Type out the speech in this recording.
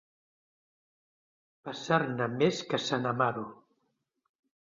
Passar-ne més que sant Amaro.